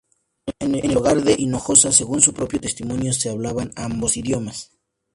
En el hogar de Hinojosa, según su propio testimonio, se hablaban ambos idiomas.